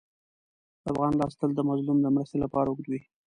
د افغان لاس تل د مظلوم د مرستې لپاره اوږد وي.